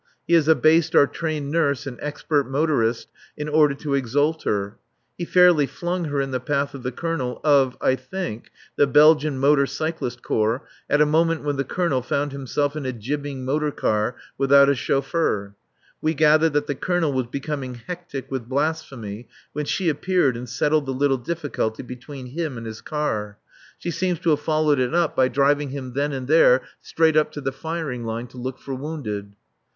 He has abased our trained nurse and expert motorist in order to exalt her. He fairly flung her in the path of the Colonel of (I think) the Belgian Motor Cyclist Corps at a moment when the Colonel found himself in a jibbing motor car without a chauffeur. We gather that the Colonel was becoming hectic with blasphemy when she appeared and settled the little difficulty between him and his car. She seems to have followed it up by driving him then and there straight up to the firing line to look for wounded.